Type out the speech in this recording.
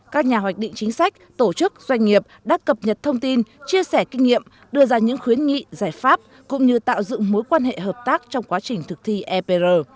các nhà hoạch định chính sách tổ chức doanh nghiệp đã cập nhật thông tin chia sẻ kinh nghiệm đưa ra những khuyến nghị giải pháp cũng như tạo dựng mối quan hệ hợp tác trong quá trình thực thi epr